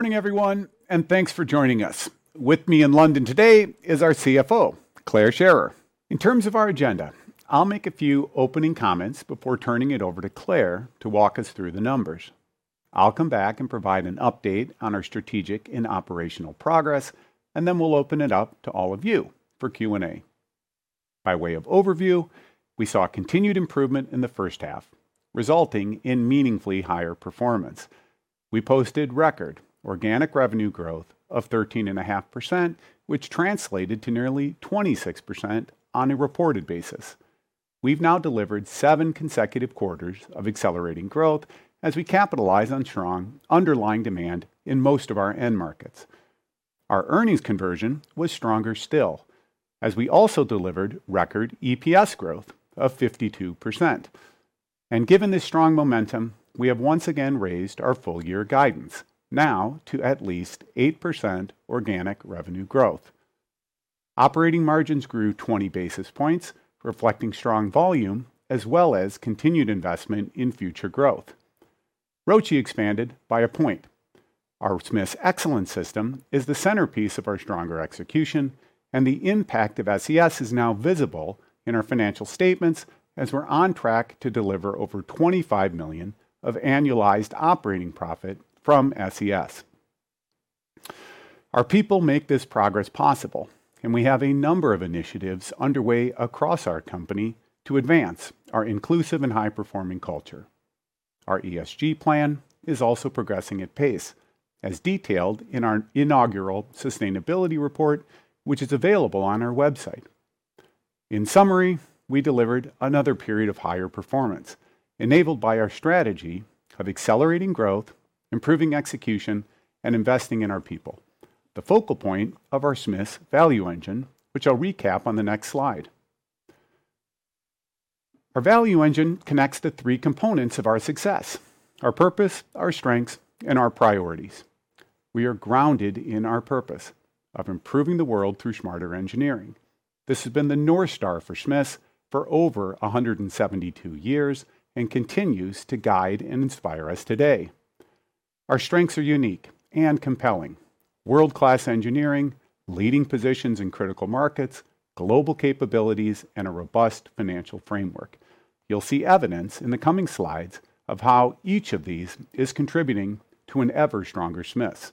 Morning everyone, thanks for joining us. With me in London today is our CFO, Clare Scherrer. In terms of our agenda, I'll make a few opening comments before turning it over to Clare to walk us through the numbers. I'll come back and provide an update on our strategic and operational progress, and then we'll open it up to all of you for Q&A. By way of overview, we saw continued improvement in the first half, resulting in meaningfully higher performance. We posted record organic revenue growth of 13.5%, which translated to nearly 26% on a reported basis. We've now delivered 7 consecutive quarters of accelerating growth as we capitalize on strong underlying demand in most of our end markets. Our earnings conversion was stronger still as we also delivered record EPS growth of 52%. Given this strong momentum, we have once again raised our full year guidance, now to at least 8% organic revenue growth. Operating margins grew 20 basis points, reflecting strong volume as well as continued investment in future growth. ROCE expanded by a point. Our Smiths Excellence System is the centerpiece of our stronger execution, and the impact of SES is now visible in our financial statements as we're on track to deliver over 25 million of annualized operating profit from SES. Our people make this progress possible, and we have a number of initiatives underway across our company to advance our inclusive and high-performing culture. Our ESG plan is also progressing at pace, as detailed in our inaugural sustainability report, which is available on our website. In summary, we delivered another period of higher performance, enabled by our strategy of accelerating growth, improving execution, and investing in our people, the focal point of our Smiths Value Engine, which I'll recap on the next slide. Our Value Engine connects the three components of our success: our purpose, our strengths, and our priorities. We are grounded in our purpose of improving the world through smarter engineering. This has been the North Star for Smiths for over 172 years and continues to guide and inspire us today. Our strengths are unique and compelling. World-class engineering, leading positions in critical markets, global capabilities, and a robust financial framework. You'll see evidence in the coming slides of how each of these is contributing to an ever stronger Smiths.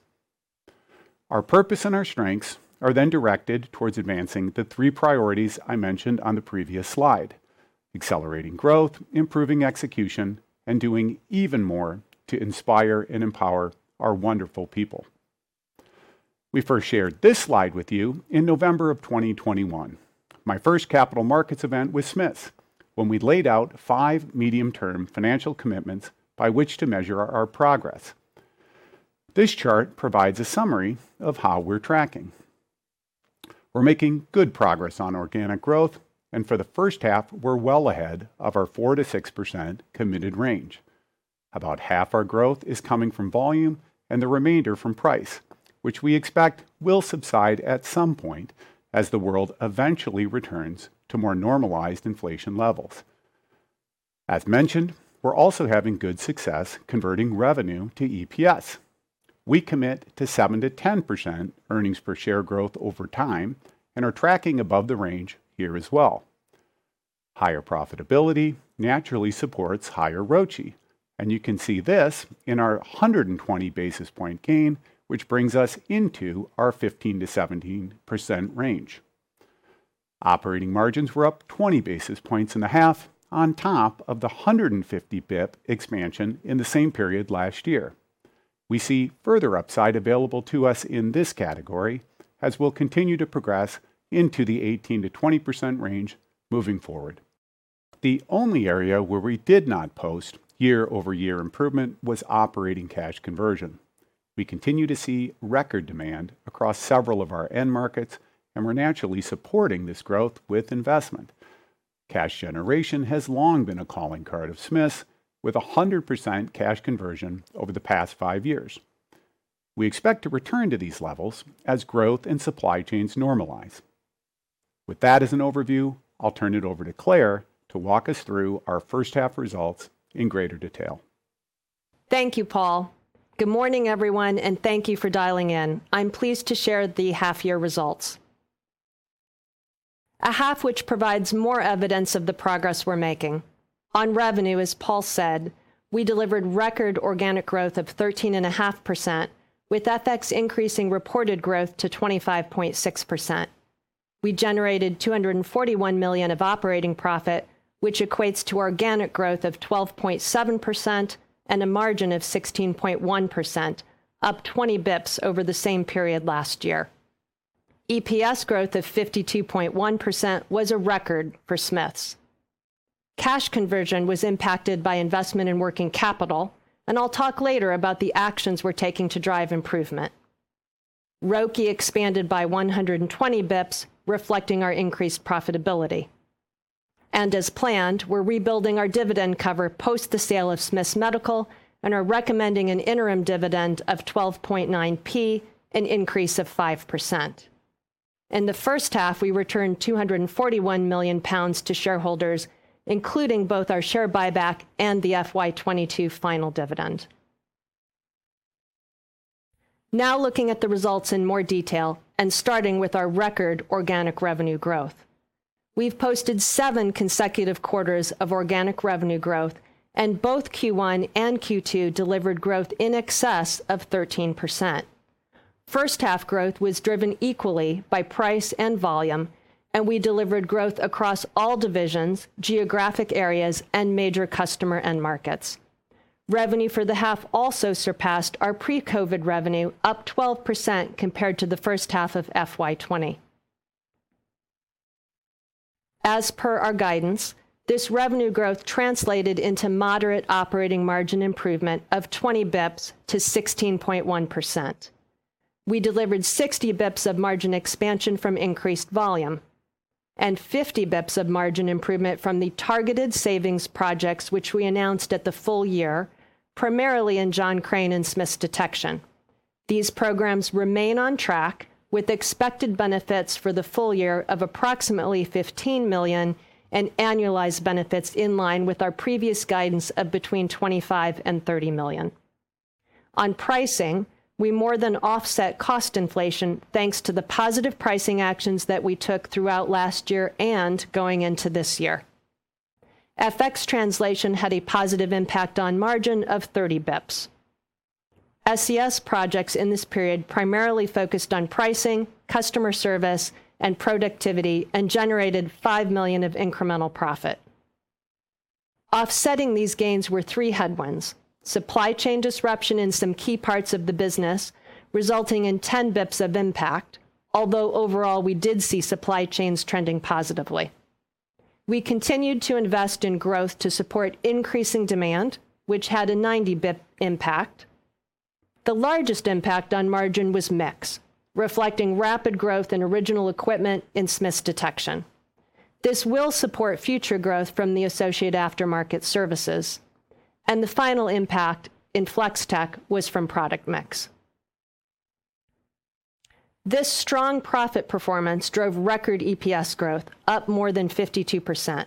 Our purpose and our strengths are then directed towards advancing the 3 priorities I mentioned on the previous slide: accelerating growth, improving execution, and doing even more to inspire and empower our wonderful people. We first shared this slide with you in November 2021, my first capital markets event with Smiths, when we laid out 5 medium-term financial commitments by which to measure our progress. This chart provides a summary of how we're tracking. We're making good progress on organic growth, and for the first half, we're well ahead of our 4%-6% committed range. About half our growth is coming from volume and the remainder from price, which we expect will subside at some point as the world eventually returns to more normalized inflation levels. As mentioned, we're also having good success converting revenue to EPS. We commit to 7%-10% earnings per share growth over time and are tracking above the range here as well. Higher profitability naturally supports higher ROCE, and you can see this in our 120 basis point gain, which brings us into our 15%-17% range. Operating margins were up 20 basis points in the half on top of the 150 basis points expansion in the same period last year. We see further upside available to us in this category as we'll continue to progress into the 18%-20% range moving forward. The only area where we did not post year-over-year improvement was operating cash conversion. We continue to see record demand across several of our end markets, and we're naturally supporting this growth with investment. Cash generation has long been a calling card of Smiths, with 100% cash conversion over the past 5 years. We expect to return to these levels as growth and supply chains normalize. With that as an overview, I'll turn it over to Clare to walk us through our first half results in greater detail. Thank you, Paul. Good morning, everyone, and thank you for dialing in. I'm pleased to share the half year results. A half which provides more evidence of the progress we're making. On revenue, as Paul said, we delivered record organic growth of 13.5%, with FX increasing reported growth to 25.6%. We generated 241 million of operating profit, which equates to organic growth of 12.7% and a margin of 16.1%, up 20 BIPS over the same period last year. EPS growth of 52.1% was a record for Smiths. Cash conversion was impacted by investment in working capital, and I'll talk later about the actions we're taking to drive improvement. ROCE expanded by 120 BIPS, reflecting our increased profitability. As planned, we're rebuilding our dividend cover post the sale of Smiths Medical and are recommending an interim dividend of 12.9p, an increase of 5%. In the first half, we returned 241 million pounds to shareholders, including both our share buyback and the FY 2022 final dividend. Looking at the results in more detail and starting with our record organic revenue growth. We've posted 7 consecutive quarters of organic revenue growth, and both Q1 and Q2 delivered growth in excess of 13%. First half growth was driven equally by price and volume, and we delivered growth across all divisions, geographic areas, and major customer end markets. Revenue for the half also surpassed our pre-COVID revenue, up 12% compared to the first half of FY 2020. As per our guidance, this revenue growth translated into moderate operating margin improvement of 20 bps to 16.1%. We delivered 60 bps of margin expansion from increased volume and 50 bps of margin improvement from the targeted savings projects which we announced at the full year, primarily in John Crane and Smiths Detection. These programs remain on track with expected benefits for the full year of approximately 15 million and annualized benefits in line with our previous guidance of between 25 million and 30 million. On pricing, we more than offset cost inflation thanks to the positive pricing actions that we took throughout last year and going into this year. FX translation had a positive impact on margin of 30 bps. SES projects in this period primarily focused on pricing, customer service, and productivity, and generated 5 million of incremental profit. Offsetting these gains were three headwinds, supply chain disruption in some key parts of the business, resulting in 10 bps of impact. Overall, we did see supply chains trending positively. We continued to invest in growth to support increasing demand, which had a 90-bp impact. The largest impact on margin was mix, reflecting rapid growth in OE in Smiths Detection. This will support future growth from the associated aftermarket services, and the final impact in Flex-Tek was from product mix. This strong profit performance drove record EPS growth up more than 52%.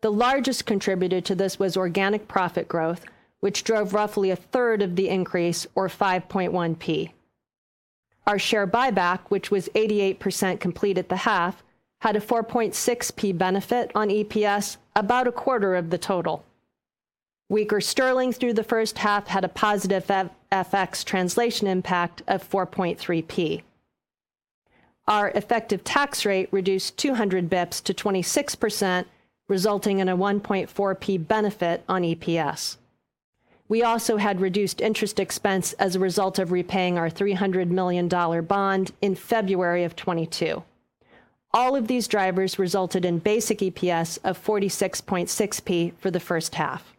The largest contributor to this was organic profit growth, which drove roughly a third of the increase or 5.1p. Our share buyback, which was 88% complete at the half, had a 4.6p benefit on EPS, about a quarter of the total. Weaker sterling through the first half had a positive FX translation impact of 4.3p. Our effective tax rate reduced 200 basis points to 26%, resulting in a 1.4p benefit on EPS. We also had reduced interest expense as a result of repaying our $300 million bond in February 2022. All of these drivers resulted in basic EPS of 46.6p for the first half.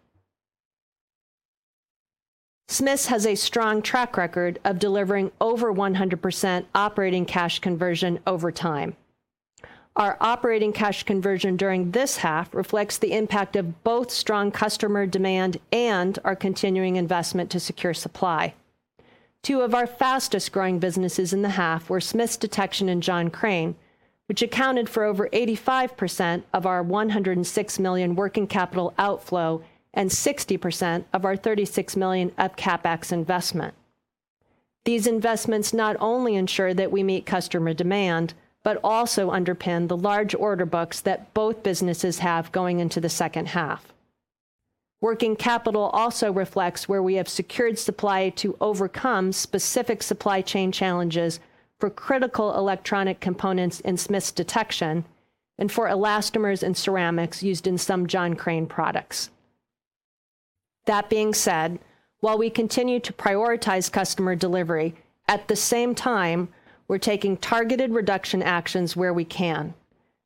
Smiths has a strong track record of delivering over 100% operating cash conversion over time. Our operating cash conversion during this half reflects the impact of both strong customer demand and our continuing investment to secure supply. Two of our fastest-growing businesses in the half were Smiths Detection and John Crane, which accounted for over 85% of our 106 million working capital outflow and 60% of our 36 million of CapEx investment. These investments not only ensure that we meet customer demand, but also underpin the large order books that both businesses have going into the second half. Working capital also reflects where we have secured supply to overcome specific supply chain challenges for critical electronic components in Smiths Detection and for elastomers and ceramics used in some John Crane products. That being said, while we continue to prioritize customer delivery, at the same time, we're taking targeted reduction actions where we can.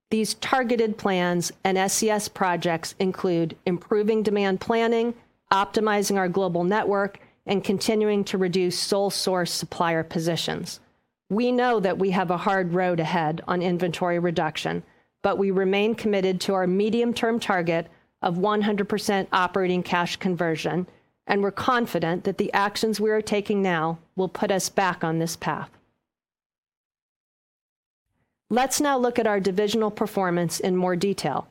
These targeted plans and SES projects include improving demand planning, optimizing our global network, and continuing to reduce sole source supplier positions. We know that we have a hard road ahead on inventory reduction. We remain committed to our medium-term target of 100% operating cash conversion, and we're confident that the actions we are taking now will put us back on this path. Let's now look at our divisional performance in more detail.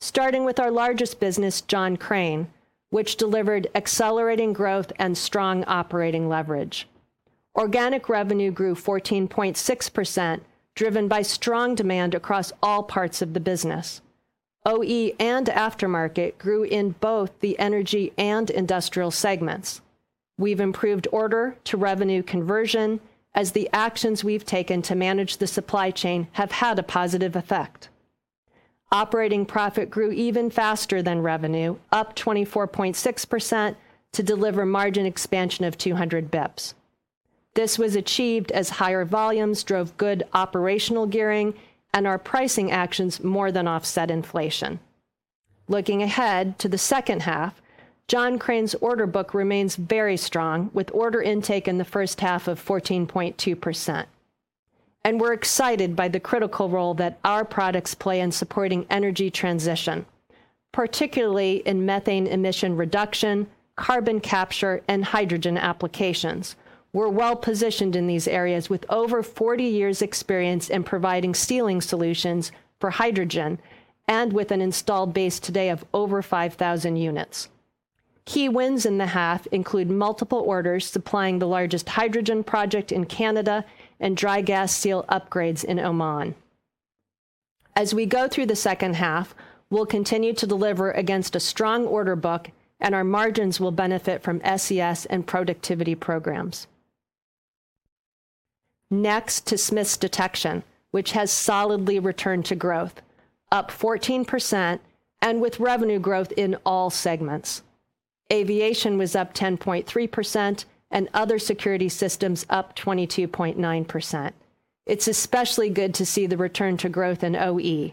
Starting with our largest business, John Crane, which delivered accelerating growth and strong operating leverage. Organic revenue grew 14.6%, driven by strong demand across all parts of the business. OE and aftermarket grew in both the energy and industrial segments. We've improved order-to-revenue conversion as the actions we've taken to manage the supply chain have had a positive effect. Operating profit grew even faster than revenue, up 24.6% to deliver margin expansion of 200 basis points. This was achieved as higher volumes drove good operational gearing and our pricing actions more than offset inflation. Looking ahead to the second half, John Crane's order book remains very strong, with order intake in the first half of 14.2%. We're excited by the critical role that our products play in supporting energy transition, particularly in methane emission reduction, carbon capture, and hydrogen applications. We're well-positioned in these areas with over 40 years experience in providing sealing solutions for hydrogen and with an installed base today of over 5,000 units. Key wins in the half include multiple orders supplying the largest hydrogen project in Canada and dry gas seal upgrades in Oman. We'll continue to deliver against a strong order book, and our margins will benefit from SES and productivity programs. Next to Smiths Detection, which has solidly returned to growth, up 14% and with revenue growth in all segments. Aviation was up 10.3% and other security systems up 22.9%. It's especially good to see the return to growth in OE.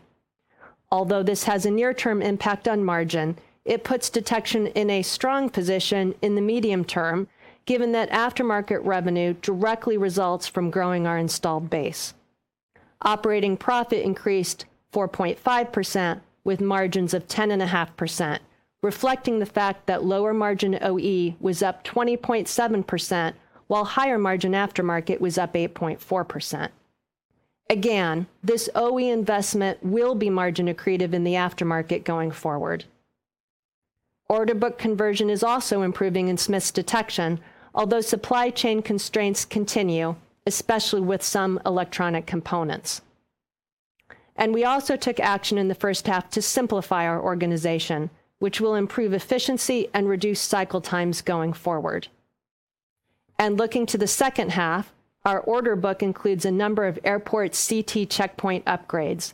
Although this has a near-term impact on margin, it puts Detection in a strong position in the medium term, given that aftermarket revenue directly results from growing our installed base. Operating profit increased 4.5% with margins of 10.5%, reflecting the fact that lower margin OE was up 20.7%, while higher margin aftermarket was up 8.4%. Again, this OE investment will be margin accretive in the aftermarket going forward. Order book conversion is also improving in Smiths Detection, although supply chain constraints continue, especially with some electronic components. We also took action in the first half to simplify our organization, which will improve efficiency and reduce cycle times going forward. Looking to the second half, our order book includes a number of airport CT checkpoint upgrades.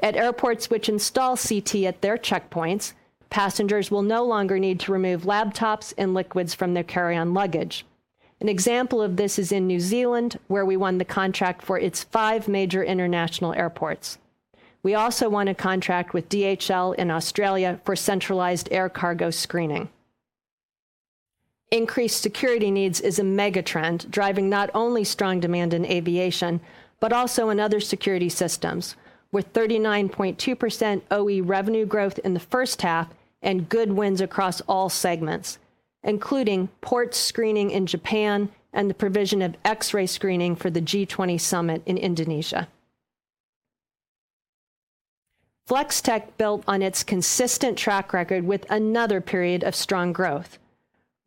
At airports which install CT at their checkpoints, passengers will no longer need to remove laptops and liquids from their carry-on luggage. An example of this is in New Zealand, where we won the contract for its 5 major international airports. We also won a contract with DHL in Australia for centralized air cargo screening. Increased security needs is a mega trend driving not only strong demand in aviation, but also in other security systems, with 39.2% OE revenue growth in the first half and good wins across all segments, including port screening in Japan and the provision of X-ray screening for the G20 Summit in Indonesia. Flex-Tek built on its consistent track record with another period of strong growth.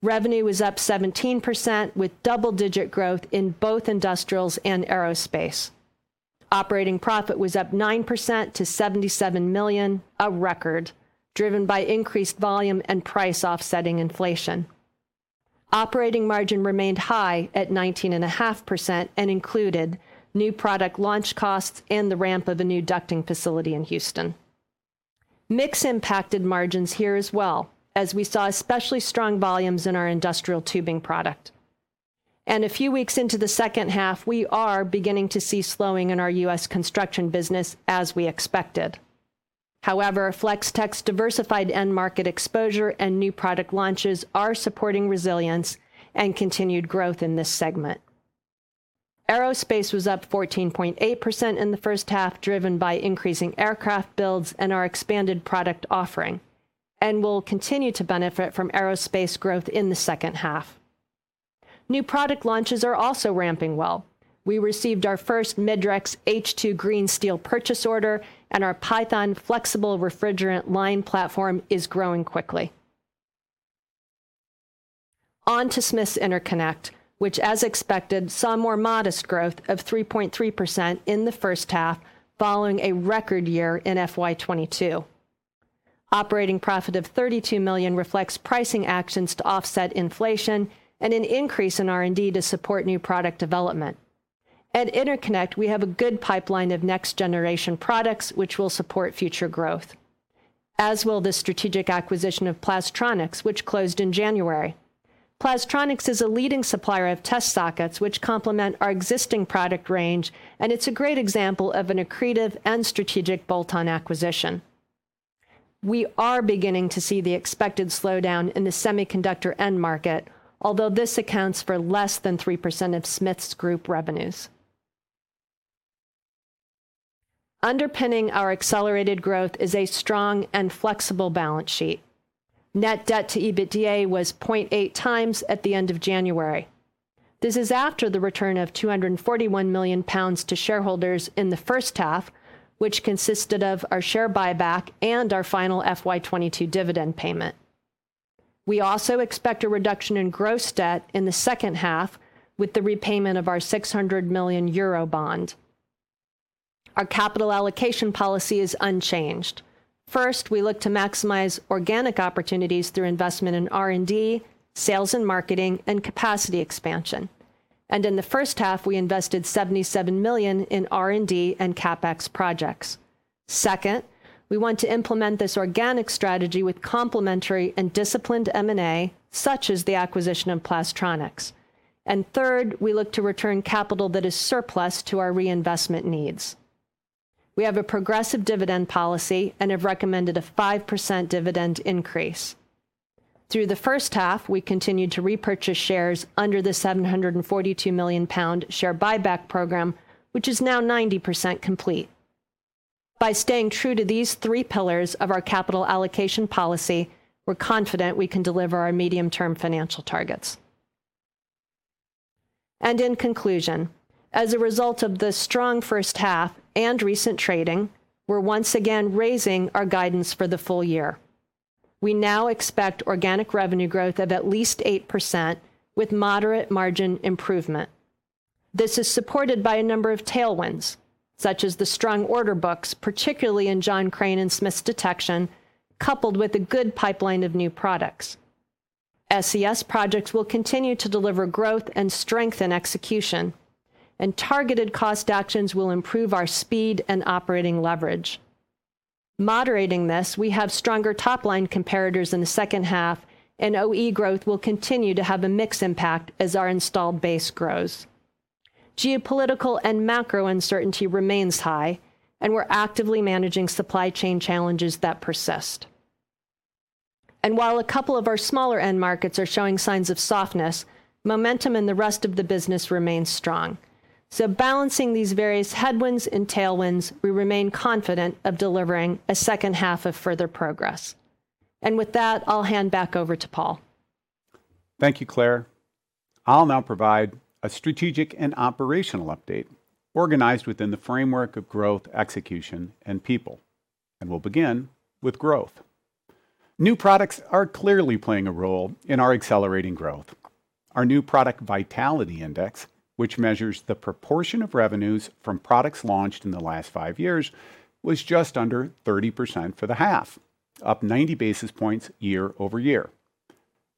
Revenue was up 17% with double-digit growth in both industrials and aerospace. Operating profit was up 9% to 77 million, a record, driven by increased volume and price offsetting inflation. Operating margin remained high at 19.5% and included new product launch costs and the ramp of a new ducting facility in Houston. Mix impacted margins here as well as we saw especially strong volumes in our industrial tubing product. A few weeks into the second half, we are beginning to see slowing in our U.S. construction business as we expected. However, Flex-Tek's diversified end market exposure and new product launches are supporting resilience and continued growth in this segment. Aerospace was up 14.8% in the first half, driven by increasing aircraft builds and our expanded product offering, will continue to benefit from aerospace growth in the second half. New product launches are also ramping well. We received our first Midrex H2 Green Steel purchase order, our Python flexible refrigerant line platform is growing quickly. On to Smiths Interconnect, which, as expected, saw more modest growth of 3.3% in the first half following a record year in FY 2022. Operating profit of 32 million reflects pricing actions to offset inflation and an increase in R&D to support new product development. At Interconnect, we have a good pipeline of next generation products which will support future growth, as will the strategic acquisition of Plastronics, which closed in January. Plastronics is a leading supplier of test sockets which complement our existing product range. It's a great example of an accretive and strategic bolt-on acquisition. We are beginning to see the expected slowdown in the semiconductor end market, although this accounts for less than 3% of Smiths Group revenues. Underpinning our accelerated growth is a strong and flexible balance sheet. Net debt to EBITDA was 0.8 times at the end of January. This is after the return of 241 million pounds to shareholders in the first half, which consisted of our share buyback and our final FY 2022 dividend payment. We also expect a reduction in gross debt in the second half with the repayment of our 600 million euro bond. Our capital allocation policy is unchanged. First, we look to maximize organic opportunities through investment in R&D, sales and marketing, and capacity expansion. In the first half, we invested 77 million in R&D and CapEx projects. Second, we want to implement this organic strategy with complementary and disciplined M&A, such as the acquisition of Plastronics. Third, we look to return capital that is surplus to our reinvestment needs. We have a progressive dividend policy and have recommended a 5% dividend increase. Through the first half, we continued to repurchase shares under the 742 million pound share buyback program, which is now 90% complete. By staying true to these three pillars of our capital allocation policy, we're confident we can deliver our medium-term financial targets. In conclusion, as a result of the strong first half and recent trading, we're once again raising our guidance for the full year. We now expect organic revenue growth of at least 8% with moderate margin improvement. This is supported by a number of tailwinds, such as the strong order books, particularly in John Crane and Smiths Detection, coupled with a good pipeline of new products. SES projects will continue to deliver growth and strength in execution, and targeted cost actions will improve our speed and operating leverage. Moderating this, we have stronger top-line comparators in the second half, and OE growth will continue to have a mix impact as our installed base grows. Geopolitical and macro uncertainty remains high, and we're actively managing supply chain challenges that persist. While a couple of our smaller end markets are showing signs of softness, momentum in the rest of the business remains strong. Balancing these various headwinds and tailwinds, we remain confident of delivering a second half of further progress. With that, I'll hand back over to Paul. Thank you, Clare. I'll now provide a strategic and operational update organized within the framework of growth, execution, and people. We'll begin with growth. New products are clearly playing a role in our accelerating growth. Our new product vitality index, which measures the proportion of revenues from products launched in the last five years, was just under 30% for the half, up 90 basis points year-over-year.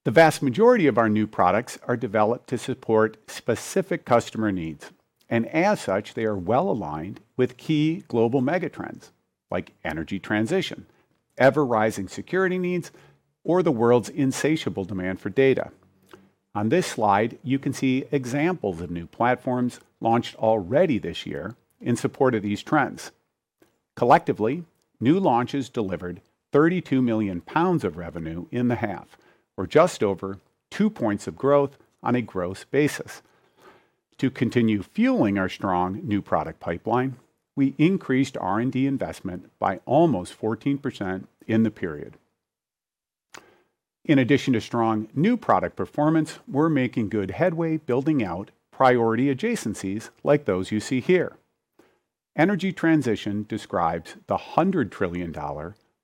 The vast majority of our new products are developed to support specific customer needs, and as such, they are well aligned with key global megatrends like energy transition, ever-rising security needs, or the world's insatiable demand for data. On this slide, you can see examples of new platforms launched already this year in support of these trends. Collectively, new launches delivered 32 million pounds of revenue in the half or just over two points of growth on a gross basis. To continue fueling our strong new product pipeline, we increased R&D investment by almost 14% in the period. In addition to strong new product performance, we're making good headway building out priority adjacencies like those you see here. Energy transition describes the $100 trillion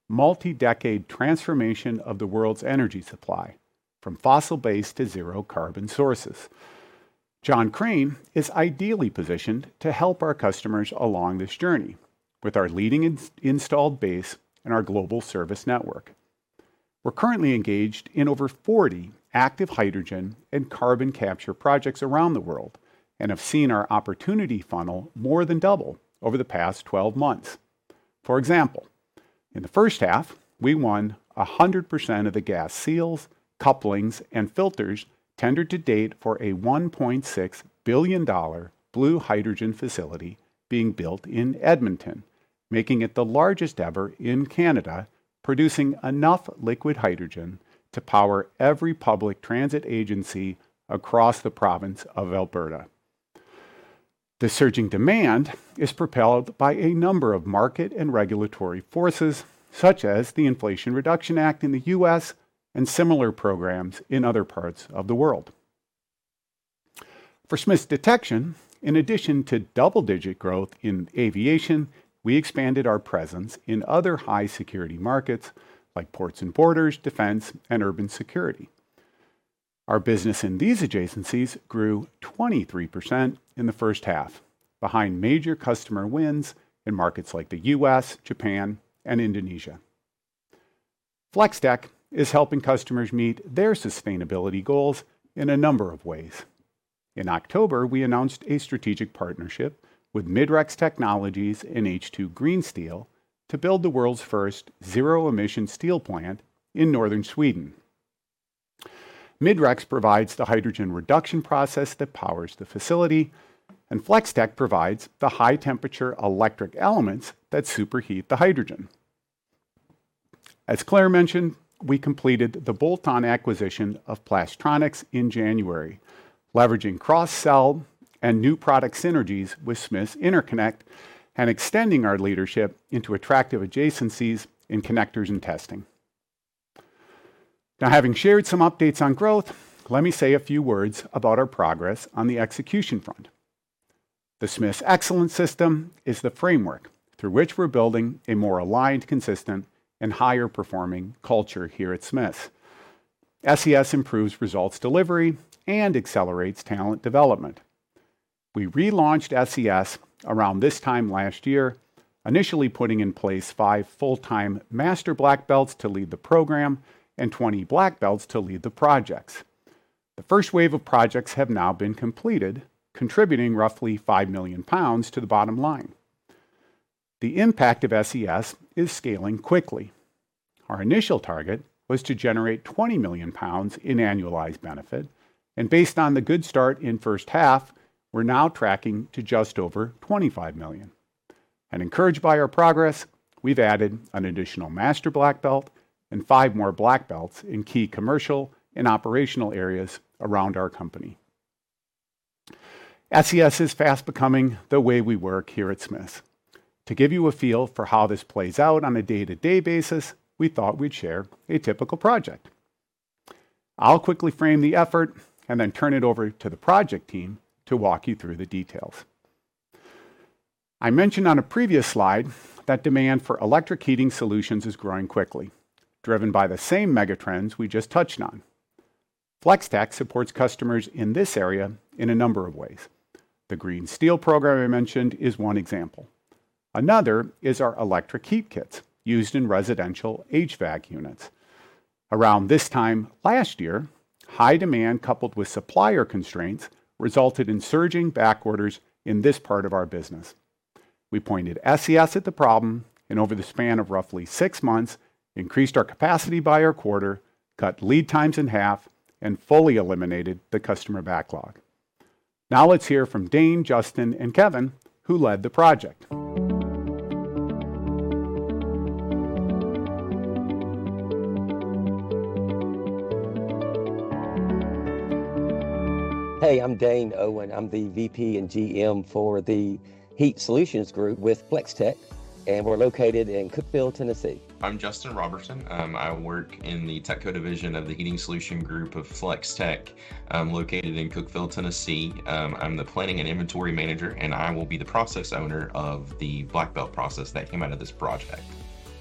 multi-decade transformation of the world's energy supply from fossil-based to zero carbon sources. John Crane is ideally positioned to help our customers along this journey with our leading installed base and our global service network. We're currently engaged in over 40 active hydrogen and carbon capture projects around the world, and have seen our opportunity funnel more than double over the past 12 months. For example, in the first half, we won 100% of the gas seals, couplings, and filters tendered to date for a $1.6 billion blue hydrogen facility being built in Edmonton, making it the largest ever in Canada, producing enough liquid hydrogen to power every public transit agency across the province of Alberta. The surging demand is propelled by a number of market and regulatory forces, such as the Inflation Reduction Act in the U.S. and similar programs in other parts of the world. For Smiths Detection, in addition to double-digit growth in aviation, we expanded our presence in other high security markets like ports and borders, defense, and urban security. Our business in these adjacencies grew 23% in the first half behind major customer wins in markets like the U.S., Japan, and Indonesia. Flex-Tek is helping customers meet their sustainability goals in a number of ways. In October, we announced a strategic partnership with Midrex Technologies and H2 Green Steel to build the world's first zero-emission steel plant in northern Sweden. Midrex provides the hydrogen reduction process that powers the facility, and Flex-Tek provides the high-temperature electric elements that superheat the hydrogen. As Clare mentioned, we completed the bolt-on acquisition of Plastronics in January, leveraging cross-sell and new product synergies with Smiths Interconnect and extending our leadership into attractive adjacencies in connectors and testing. Having shared some updates on growth, let me say a few words about our progress on the execution front. The Smiths Excellence System is the framework through which we're building a more aligned, consistent, and higher performing culture here at Smiths. SES improves results delivery and accelerates talent development. We relaunched SES around this time last year, initially putting in place 5 full-time Master Black Belts to lead the program and 20 Black Belts to lead the projects. The first wave of projects have now been completed, contributing roughly 5 million pounds to the bottom line. The impact of SES is scaling quickly. Our initial target was to generate 20 million pounds in annualized benefit, based on the good start in first half, we're now tracking to just over 25 million. Encouraged by our progress, we've added an additional Master Black Belt and 5 more Black Belts in key commercial and operational areas around our company. SES is fast becoming the way we work here at Smiths. To give you a feel for how this plays out on a day-to-day basis, we thought we'd share a typical project. I'll quickly frame the effort and then turn it over to the project team to walk you through the details. I mentioned on a previous slide that demand for electric heating solutions is growing quickly, driven by the same mega trends we just touched on. Flex-Tek supports customers in this area in a number of ways. The green steel program I mentioned is one example. Another is our electric heat kits used in residential HVAC units. Around this time last year, high demand coupled with supplier constraints resulted in surging back orders in this part of our business. We pointed SES at the problem, and over the span of roughly 6 months, increased our capacity by a quarter, cut lead times in half, and fully eliminated the customer backlog. Now, let's hear from Dane, Justin, and Kevin, who led the project. Hey, I'm Dane Owen. I'm the VP and GM for the Heat Solutions Group with Flex-Tek, and we're located in Cookeville, Tennessee. I'm Justin Robertson. I work in the TUTCO division of the Heat Solutions Group of Flex-Tek, located in Cookeville, Tennessee. I'm the planning and inventory manager, and I will be the process owner of the Black Belt process that came out of this project.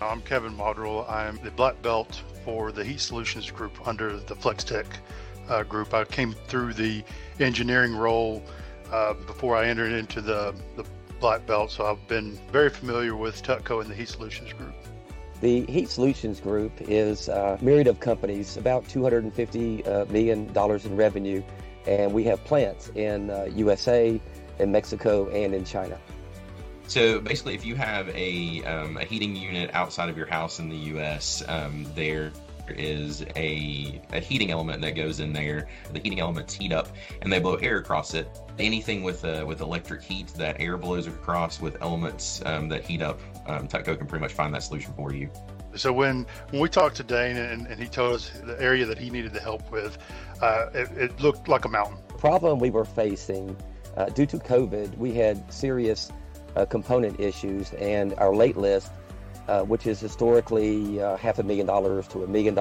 I'm Kevin Modrall. I'm the Black Belt for the Heat Solutions Group under the Flex-Tek group. I came through the engineering role before I entered into the Black Belt. I've been very familiar with TUTCO and the Heat Solutions Group. The Heat Solutions Group is a myriad of companies, about $250 million in revenue. We have plants in, USA and Mexico and in China. Basically, if you have a heating unit outside of your house in the U.S., there is a heating element that goes in there. The heating elements heat up, and they blow air across it. Anything with electric heat that air blows across with elements that heat up, TUTCO can pretty much find that solution for you. When we talked to Dane and he told us the area that he needed the help with, it looked like a mountain. The problem we were facing, due to COVID, we had serious, component issues, and our late list, which is historically, half a million dollars to $1 million,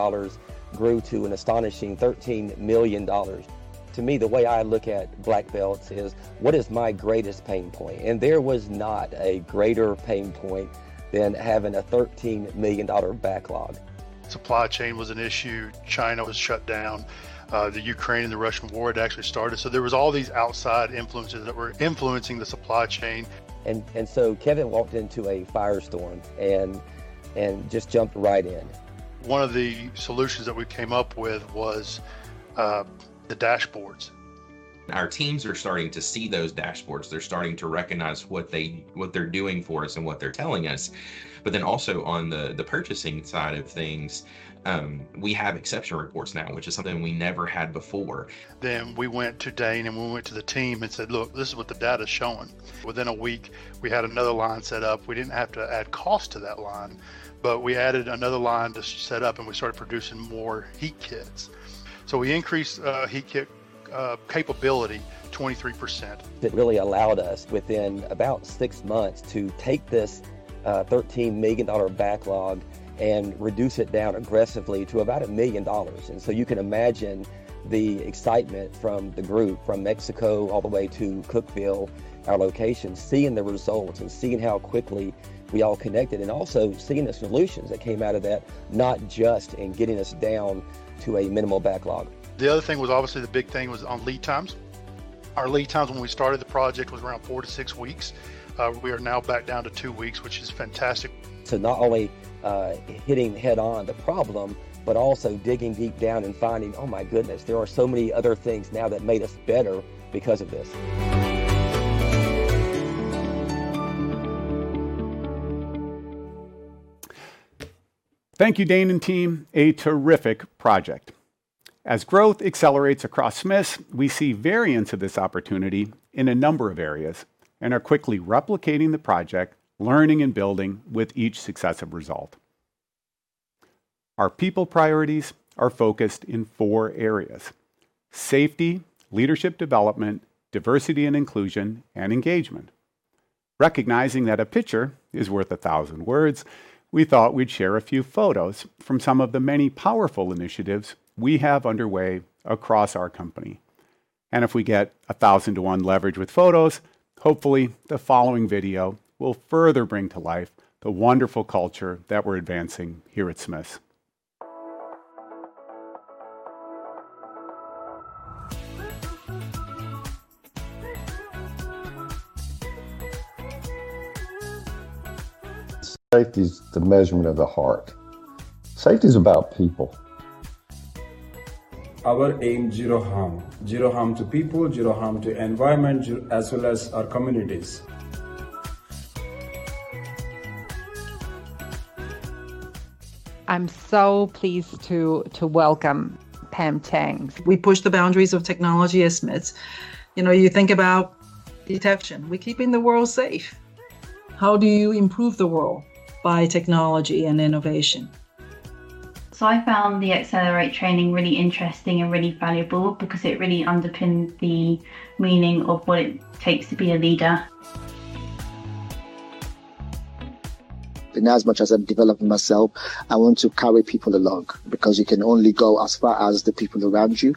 grew to an astonishing $13 million. To me, the way I look at Black Belts is, what is my greatest pain point? There was not a greater pain point than having a $13 million backlog. Supply chain was an issue. China was shut down. The Ukraine and the Russian war had actually started, there was all these outside influences that were influencing the supply chain. Kevin walked into a firestorm and just jumped right in. One of the solutions that we came up with was the dashboards. Our teams are starting to see those dashboards. They're starting to recognize what they're doing for us and what they're telling us. Also on the purchasing side of things, we have exception reports now, which is something we never had before. We went to Dane, and we went to the team and said, "Look, this is what the data's showing." Within a week, we had another line set up. We didn't have to add cost to that line, but we added another line to set up, and we started producing more heat kits. We increased, heat kit, capability 23%. It really allowed us within about six months to take this $13 million backlog and reduce it down aggressively to about $1 million. You can imagine the excitement from the group from Mexico all the way to Cookeville, our location, seeing the results and seeing how quickly we all connected and also seeing the solutions that came out of that, not just in getting us down to a minimal backlog. The other thing was obviously the big thing was on lead times. Our lead times when we started the project was around 4-6 weeks. We are now back down to 2 weeks, which is fantastic. To not only, hitting head-on the problem, but also digging deep down and finding, oh my goodness, there are so many other things now that made us better because of this. Thank you, Dane and team. A terrific project. As growth accelerates across Smiths, we see variants of this opportunity in a number of areas and are quickly replicating the project, learning and building with each successive result. Our people priorities are focused in 4 areas: safety, leadership development, diversity and inclusion, and engagement. Recognizing that a picture is worth 1,000 words, we thought we'd share a few photos from some of the many powerful initiatives we have underway across our company. If we get a 1,000 to 1 leverage with photos, hopefully the following video will further bring to life the wonderful culture that we're advancing here at Smiths. Safety is the measurement of the heart. Safety is about people. Our aim, zero harm. Zero harm to people, zero harm to environment, as well as our communities. I'm so pleased to welcome Pam Cheng. We push the boundaries of technology at Smiths. You know, you think about detection, we're keeping the world safe. How do you improve the world? By technology and innovation. I found the Accelerate training really interesting and really valuable because it really underpins the meaning of what it takes to be a leader. As much as I'm developing myself, I want to carry people along because you can only go as far as the people around you.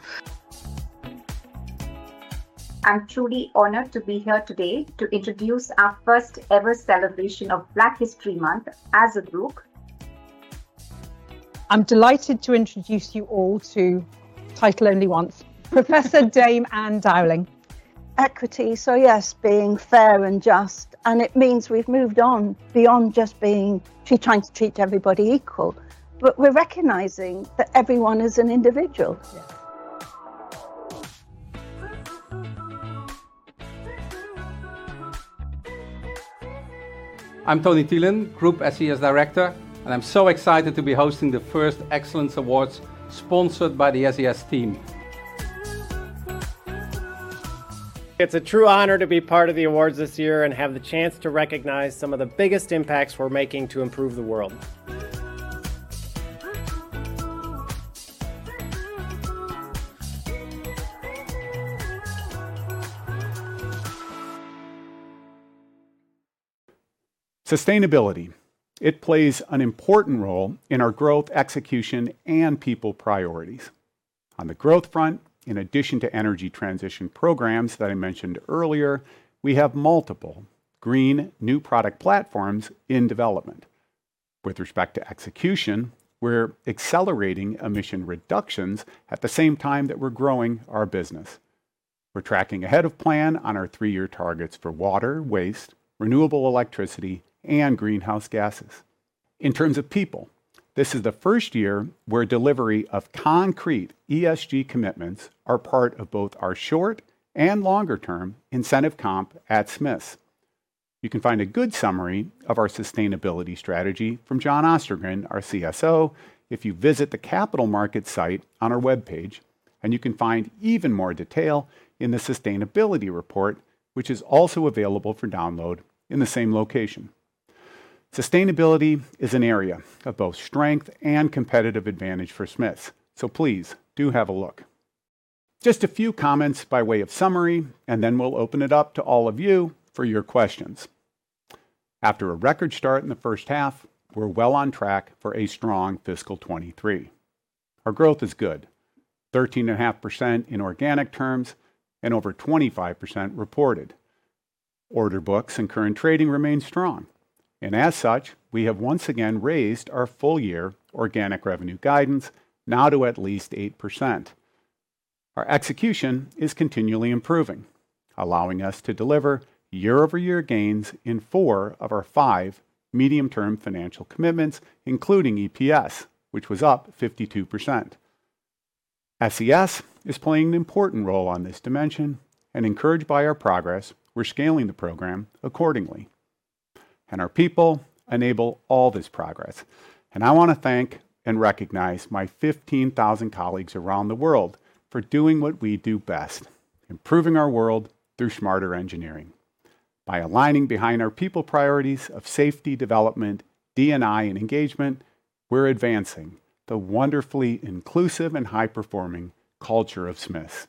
I'm truly honored to be here today to introduce our first ever celebration of Black History Month as a group. I'm delighted to introduce you all to, title only once, Professor Dame Ann Dowling. Equity, yes, being fair and just, and it means we've moved on beyond just to trying to treat everybody equal. We're recognizing that everyone is an individual. I'm Tony Tielen, Group SES Director, and I'm so excited to be hosting the first Excellence Awards sponsored by the SES team. It's a true honor to be part of the awards this year and have the chance to recognize some of the biggest impacts we're making to improve the world. Sustainability. It plays an important role in our growth, execution, and people priorities. On the growth front, in addition to energy transition programs that I mentioned earlier, we have multiple green new product platforms in development. With respect to execution, we're accelerating emission reductions at the same time that we're growing our business. We're tracking ahead of plan on our three-year targets for water, waste, renewable electricity, and greenhouse gases. In terms of people, this is the first year where delivery of concrete ESG commitments are part of both our short and longer term incentive comp at Smiths. You can find a good summary of our sustainability strategy from John Ostergren, our CSO, if you visit the capital market site on our webpage, and you can find even more detail in the sustainability report, which is also available for download in the same location. Sustainability is an area of both strength and competitive advantage for Smiths, please do have a look. Just a few comments by way of summary, then we'll open it up to all of you for your questions. After a record start in the first half, we're well on track for a strong FY 2023. Our growth is good, 13.5% in organic terms and over 25% reported. Order books and current trading remain strong, as such, we have once again raised our full-year organic revenue guidance now to at least 8%. Our execution is continually improving, allowing us to deliver year-over-year gains in four of our five medium-term financial commitments, including EPS, which was up 52%. SES is playing an important role on this dimension, encouraged by our progress, we're scaling the program accordingly. Our people enable all this progress, and I want to thank and recognize my 15,000 colleagues around the world for doing what we do best, improving our world through smarter engineering. By aligning behind our people priorities of safety, development, D&I, and engagement, we're advancing the wonderfully inclusive and high-performing culture of Smiths.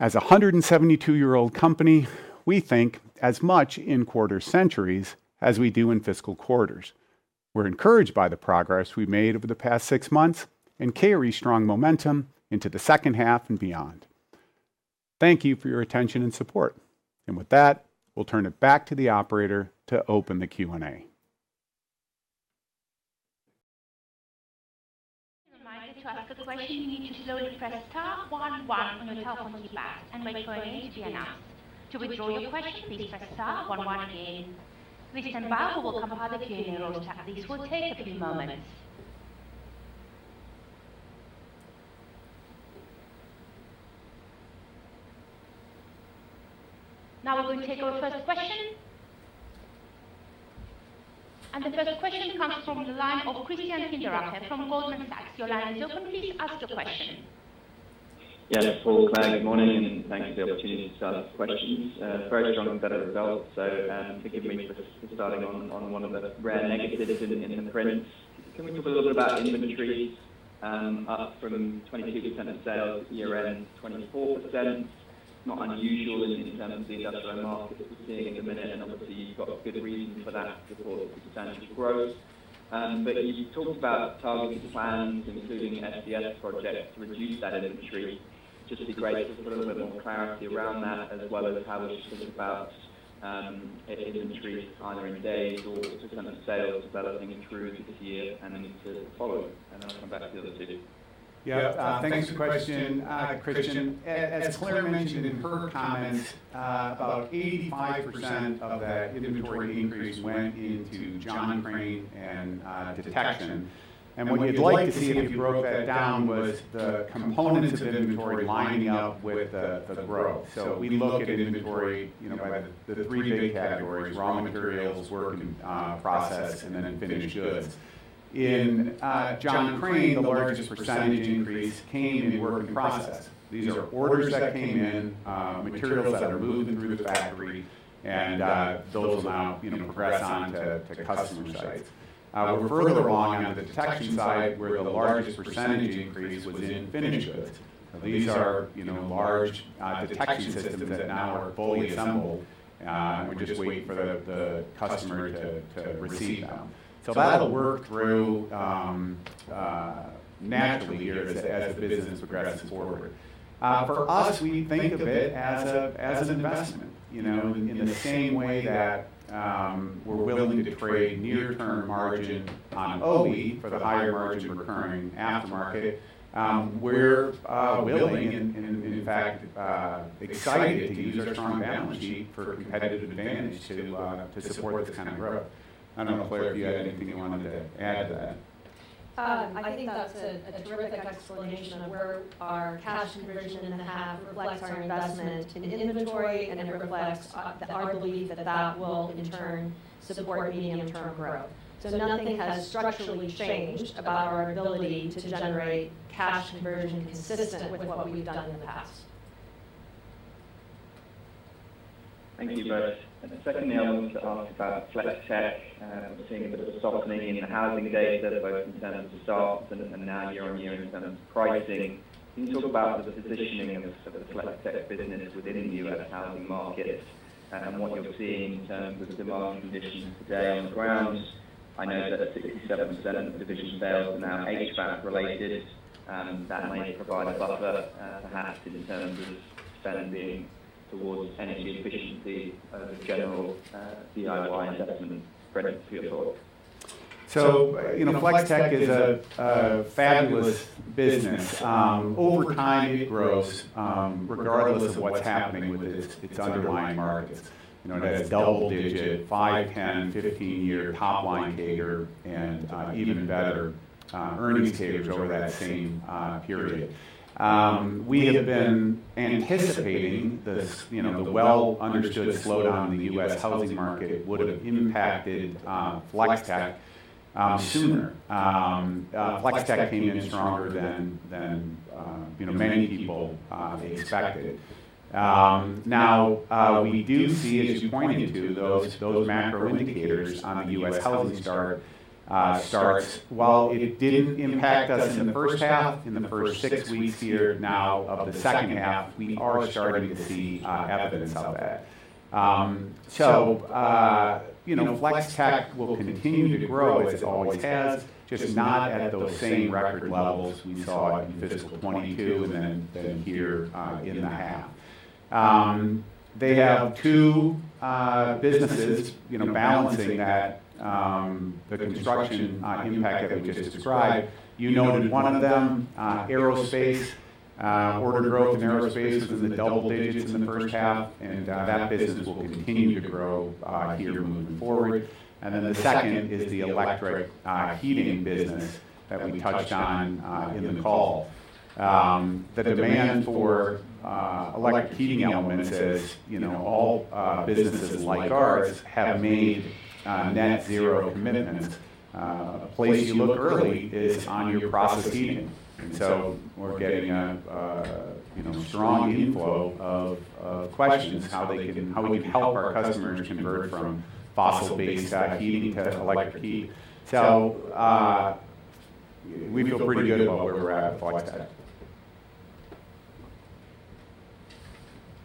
As a 172-year-old company, we think as much in quarter centuries as we do in fiscal quarters. We're encouraged by the progress we've made over the past 6 months and carry strong momentum into the second half and beyond. Thank you for your attention and support. With that, we'll turn it back to the operator to open the Q&A. A reminder to ask a question, you need to simply press star one one on your telephone keypad and wait for your name to be announced. To withdraw your question, please press star one one again. Listen back will come after the Q&A roll check. This will take a few moments. Now we'll take our first question. The first question comes from the line of Christian Hinderaker from Goldman Sachs. Your line is open. Please ask your question. Paul, Clare, good morning, and thanks for the opportunity to ask questions. Very strong set of results. Forgive me for starting on one of the rare negatives in the print. Can we talk a little bit about inventory, up from 22% of sales year-end, 24%? Not unusual in terms of the industrial market that we're seeing at the minute, and obviously you've got good reason for that because of substantial growth. You talked about targeting plans, including SES projects, to reduce that inventory. Just be great to put a little bit more clarity around that, as well as how we should think about inventory kind of in days or percentage of sales developing through this year and into the following. I'll come back to the other two. Yeah, thanks for the question, Christian. As Clare mentioned in her comments, about 85% of that inventory increase went into John Crane and Detection. What you'd like to see if you broke that down was the components of inventory lining up with the growth. We look at inventory, you know, by the three big categories: raw materials, work in process, and then finished goods. In John Crane, the largest percentage increase came in work in process. These are orders that came in, materials that are moving through the factory, and those will now, you know, progress on to customer sites. We're further along on the Detection side, where the largest percentage increase was in finished goods. These are, you know, large detection systems that now are fully assembled, and we're just waiting for the customer to receive them. That'll work through naturally here as the business progresses forward. For us, we think of it as an investment. You know, in the same way that we're willing to trade near-term margin on OE for the higher margin recurring aftermarket, we're willing and in fact excited to use our strong balance sheet for competitive advantage to support this kind of growth. I don't know, Clare, if you had anything you wanted to add to that. I think that's a terrific explanation of where our cash conversion in the half reflects our investment in inventory, and it reflects our belief that that will in turn support medium-term growth. Nothing has structurally changed about our ability to generate cash conversion consistent with what we've done in the past. Thank you both. Secondly, I wanted to ask about Flex-Tek. We're seeing a bit of a softening in the housing data, both in terms of starts and now year-on-year in terms of pricing. Can you talk about the positioning of the Flex-Tek business within the U.S. housing market and what you're seeing in terms of the demand conditions today on the ground? I know that 67% of division sales are now HVAC related. That may provide a buffer, perhaps in terms of spending towards energy efficiency as general DIY investment spreads to your products. You know, Flex-Tek is a fabulous business. Over time, it grows, regardless of what's happening with its underlying markets. You know, it has double-digit 5, 10, 15-year top-line CAGR, and even better, earnings CAGRs over that same period. We have been anticipating this, you know, the well-understood slowdown in the U.S. housing market would have impacted Flex-Tek sooner. Flex-Tek came in stronger than, you know, many people expected. We do see, as you pointed to, those macro indicators on the U.S. housing starts. While it didn't impact us in the first half, in the first 6 weeks here now of the second half, we are starting to see evidence of that. You know, Flex-Tek will continue to grow as it always has, just not at those same record levels we saw in fiscal 2022 and then here in the half. They have two businesses, you know, balancing that, the construction impact that we just described. You noted one of them, aerospace. Order growth in aerospace was in the double digits in the first half, and that business will continue to grow here moving forward. The second is the electric heating business that we touched on in the call. The demand for electric heating elements is, you know, all businesses like ours have made net zero commitments. A place you look early is on your process heating. We're getting a, you know, strong inflow of questions, how we can help our customers convert from fossil-based heating to electric heat. We feel pretty good about where we're at with Flex-Tek.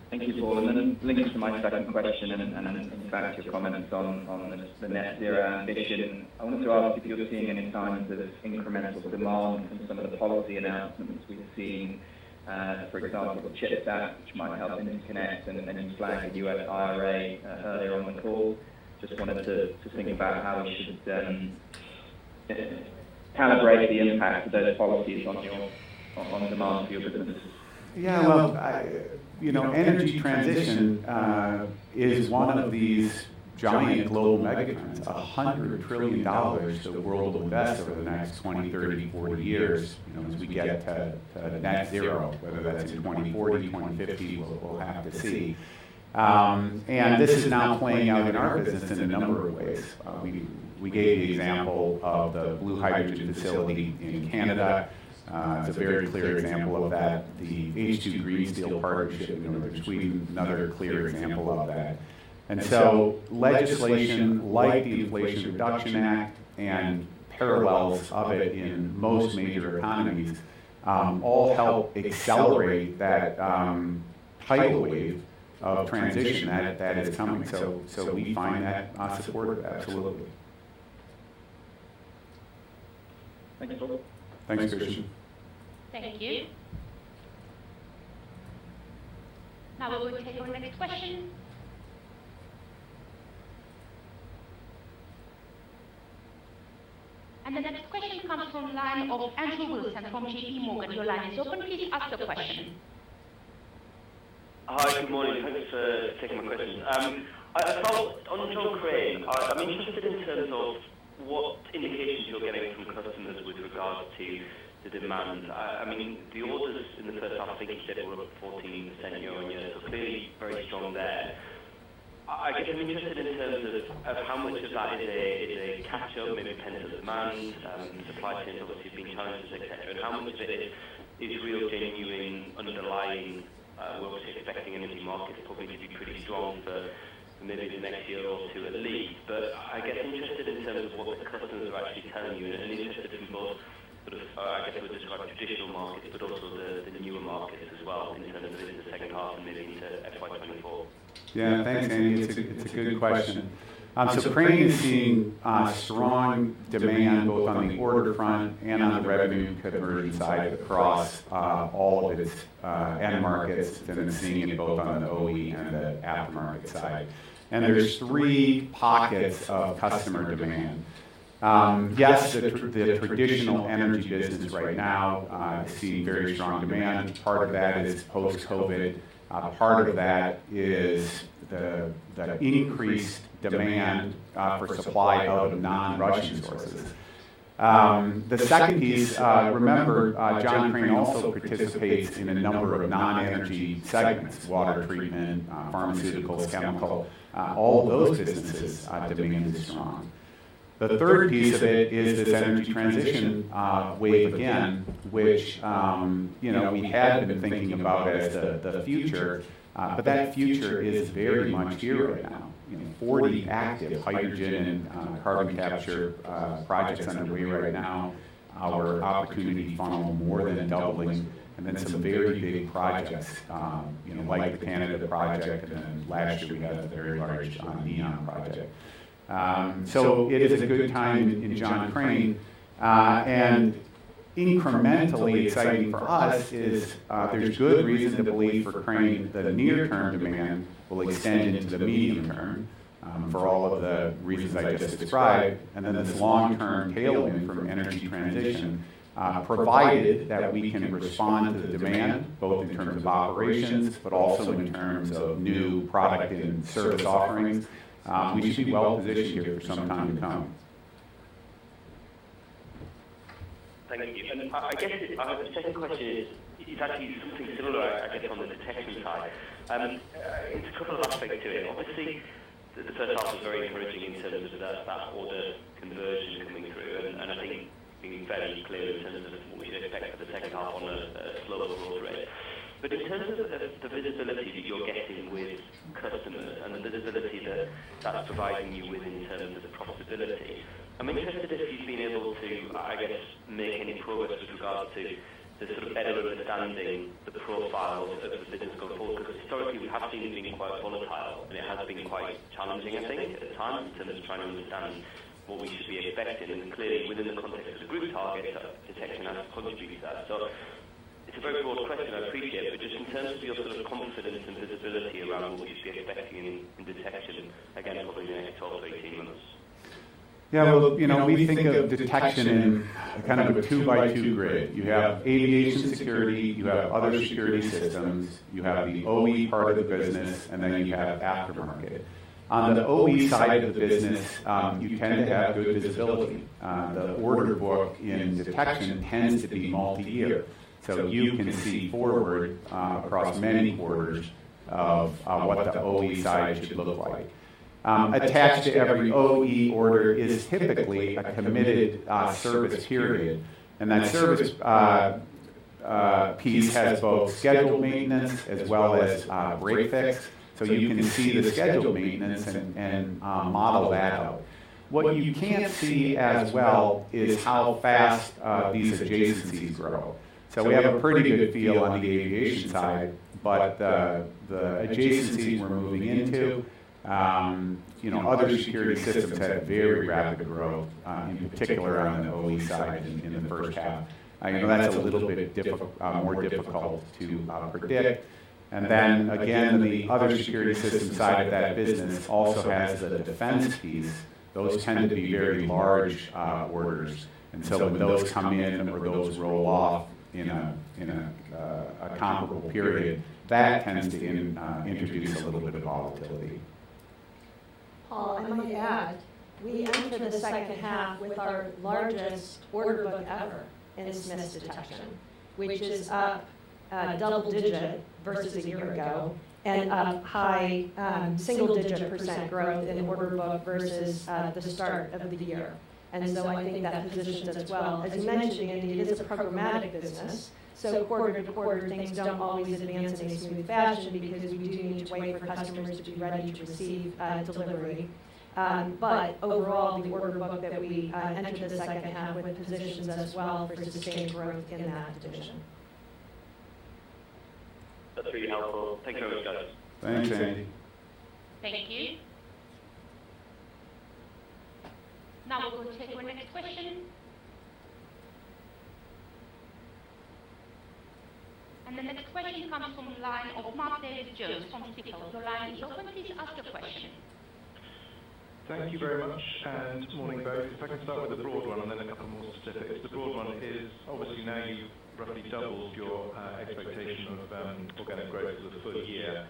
Thank you, Paul. Linking to my second question and in fact your comments on the net zero ambition, I wanted to ask if you're seeing any signs of incremental demand from some of the policy announcements we've seen. For example, the CHIPS Act, which might help Interconnect, you flagged the U.S. IRA earlier on the call. Just wanted to think about how we should calibrate the impact of those policies on demand for your business. Well, you know, energy transition is one of these giant global megatrends. $100 trillion the world will invest over the next 20, 30, 40 years, you know, as we get to net zero, whether that's in 2040, 2050, we'll have to see. This is now playing out in our business in a number of ways. We gave the example of the blue hydrogen facility in Canada. It's a very clear example of that. The H2 Green Steel partnership in northern Sweden, another clear example of that. Legislation like the Inflation Reduction Act and parallels of it in most major economies, all help accelerate that tidal wave of transition that is coming. We find that supportive. Absolutely. Thank you, Paul. Thanks, Christian. Thank you. Now we will take our next question. The next question comes from line of Andrew Wilson from JPMorgan. Your line is open. Please ask your question. Hi, good morning. Thanks for taking my question. on John Crane, I'm interested in terms of what indications you're getting from customers with regards to the demand. I mean, the orders in the first half I think you said were up 14% year-on-year, so clearly very strong there. I guess I'm interested in terms of how much of that is a, is a catch-up in pent-up demand. The supply chain has obviously been challenged, et cetera. How much of it is real genuine underlying, we're obviously expecting energy markets probably to be pretty strong for maybe the next year or two at least. I guess interested in terms of what the customers are actually telling you. Interested in both sort of, I guess we'll describe traditional markets, but also the newer markets as well in terms of the second half and maybe into FY 2024. Thanks, Andy. It's a good question. Crane is seeing strong demand both on the order front and on the revenue conversion side across all of its end markets. Seeing it both on the OE and the aftermarket side. There's three pockets of customer demand. Yes, the traditional energy business right now is seeing very strong demand. Part of that is post-COVID, part of that is the increased demand for supply of non-Russian sources. The second piece, remember, John Crane also participates in a number of non-energy segments: water treatment, pharmaceuticals, chemical. All of those businesses, demand is strong. The third piece of it is this energy transition wave again, which, you know, we had been thinking about as the future. That future is very much here right now. You know, 40 active hydrogen, carbon capture, projects underway right now. Our opportunity funnel more than doubling and then some very big projects, you know, like the Canada project and then last year we had a very large, neon project. It is a good time in John Crane. Incrementally exciting for us is, there's good reason to believe for Crane that near term demand will extend into the medium term, for all of the reasons I just described. Then this long term tailwind from energy transition, provided that we can respond to the demand both in terms of operations but also in terms of new product and service offerings. We should be well positioned here for some time to come. Thank you. I guess the second question is actually something similar I guess on the detection side. It's a couple of aspects to it. Obviously, the first half was very encouraging in terms of that order conversion coming through. I think you've been very clear in terms of what we should expect for the second half on a slower growth rate. In terms of the visibility that you're getting with customers and the visibility that that's providing you with in terms of the profitability, I'm interested if you've been able to, I guess, make any progress with regards to the sort of better understanding the profile of the business going forward. Historically we have seen it being quite volatile, and it has been quite challenging, I think, at times in terms of trying to understand what we should be expecting. Clearly within the context of the group targets, Detection has to contribute to that. It's a very broad question, I appreciate. Just in terms of your sort of confidence and visibility around what we should be expecting in Detection, again, over the next 12 to 18 months. Well, you know, we think of detection in kind of a two-by-two grid. You have aviation security, you have other security systems, you have the OE part of the business, and then you have aftermarket. On the OE side of the business, you tend to have good visibility. The order book in detection tends to be multi-year. You can see forward across many quarters of what the OE side should look like. Attached to every OE order is typically a committed service period. That service piece has both scheduled maintenance as well as break fix. You can see the scheduled maintenance and model that out. What you can't see as well is how fast these adjacencies grow. We have a pretty good feel on the aviation side, but the adjacencies we're moving into, you know, other security systems had very rapid growth in particular on the OE side in the first half. You know, that's a little bit more difficult to predict. Then again, the other security system side of that business also has the defense piece. Those tend to be very large orders. When those come in or those roll off in a comparable period, that tends to introduce a little bit of volatility. Paul, I might add, we entered the second half with our largest order book ever in Smiths Detection, which is up double-digit versus a year ago and up high, single-digit percent growth in order book versus the start of the year. I think that positions us well. As you mentioned, Andy, it is a programmatic business, so quarter-to-quarter things don't always advance in a smooth fashion because we do need to wait for customers to be ready to receive delivery. Overall, the order book that we entered the second half with positions us well for sustained growth in that division. That's really helpful. Thank you both, guys. Thanks, Andy. Thank you. Now we will take our next question. The next question comes from the line of Mark Davies Jones from Stifel. The line is open. Please ask your question. Thank you very much. Good morning both. If I can start with a broad one and then a couple more specifics. The broad one is obviously now you've roughly doubled your expectation of organic growth for the full year.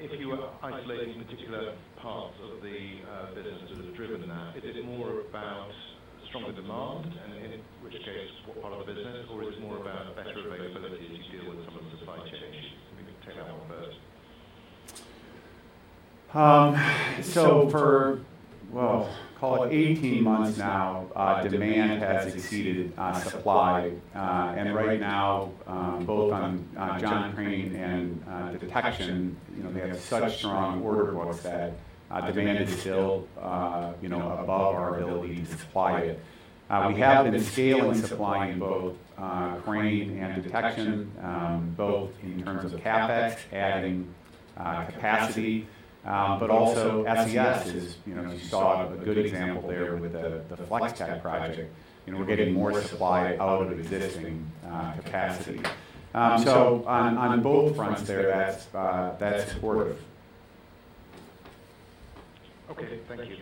If you are isolating particular parts of the business that have driven that, is it more about stronger demand, and in which case what part of the business, or is it more about better availability as you deal with some of the supply chain issues? Maybe take that one first. For, well, call it 18 months now, demand has exceeded supply. Right now, both on John Crane and Detection, you know, they have such strong order books that demand is still, you know, above our ability to supply it. We have been scaling supply in both Crane and Detection, both in terms of CapEx adding capacity. Also SES is, you know, as you saw a good example there with the FlexTap project. You know, we're getting more supply out of existing capacity. On both fronts there, that's supportive. Okay. Thank you.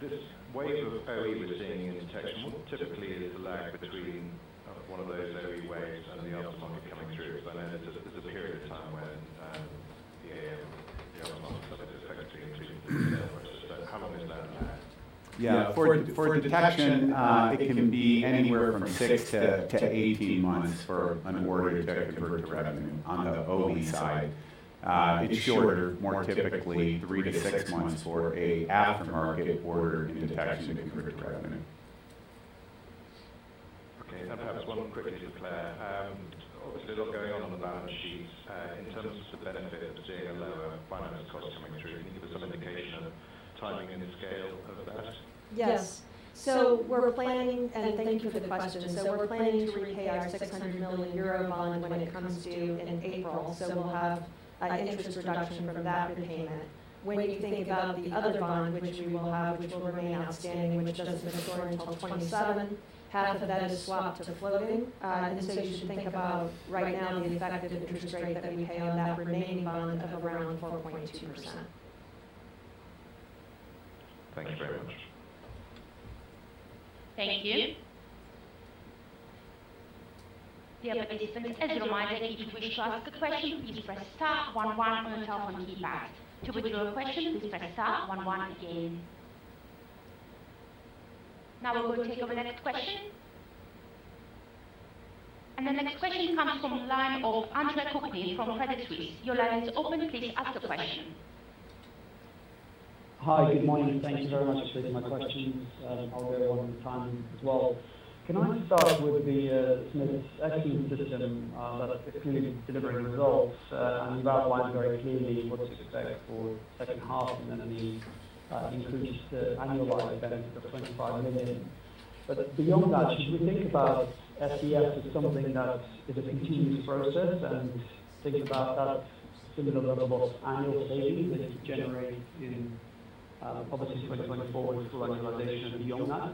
This wave of OE we're seeing in Detection, what typically is the lag between one of those OE waves and the aftermarket coming through? There's a period of time when the aftermarket is expected to increase in sales versus. How long is that lag? Yeah. For Detection, it can be anywhere from 6 to 18 months for an order to get converted to revenue on the OE side. It's shorter, more typically 3 to 6 months for a aftermarket order in Detection to convert to revenue. Okay. perhaps one quickly to Clare. Obviously a lot going on on the balance sheet. In terms of the benefit of seeing a lower finance cost coming through, can you give us some indication of timing and scale of that? Yes. Thank you for the question. We're planning to repay our 600 million euro bond when it comes due in April. We'll have an interest reduction from that repayment. When you think about the other bond which we will have, which will remain outstanding, which doesn't mature until 2027, half of that is swapped to floating. You should think about right now the effective interest rate that we pay on that remaining bond of around 4.2%. Thank you very much. Thank you. Dear participants, as a reminder, if you wish to ask a question, please press star one one on your telephone keypad. To withdraw a question, please press star one one again. Now we'll take our next question. The next question comes from the line of Andrew Connery from Credit Suisse. Your line is open. Please ask your question. Hi. Good morning. Thank you very much for taking my questions. I'll go along with the timing as well. Can I start with the Smiths Excellence System that's clearly delivering results? You've outlined very clearly what to expect for the second half, and then the increased annualized benefit of 25 million. Beyond that, should we think about SES as something that is a continuous process and think about that similar level of annual savings that you generate in obviously 2024 with full annualization and beyond that?